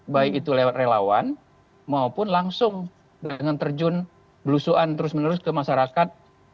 baik itu lewat relawan maupun langsung dengan terjun belusuan terus menerus ke masyarakat